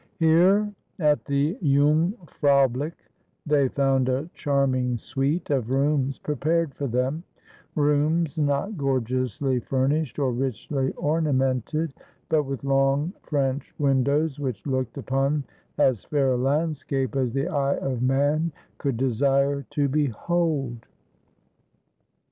Here at the Jungfraublich they found a charming suite of rooms prepared for them ; rooms not gorgeously furnished or richly ornamented, but with long French windows which looked upon as fair a landscape as the eye of man could desire to behold.